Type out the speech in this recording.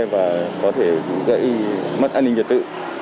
và có thể gây mất an ninh nhiệt tự